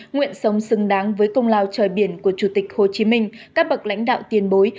nguyện sống xứng đáng với công lao trời biển của chủ tịch hồ chí minh các bậc lãnh đạo tiền bối